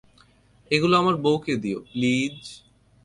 এগুলো আমার বউকে দিও, প্লিজ।